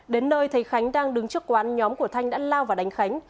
đến nơi thầy khánh đang đứng trước quán nhóm của thanh đã lao và đánh khánh